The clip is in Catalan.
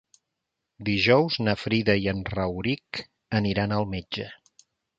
Dijous na Frida i en Rauric aniran al metge.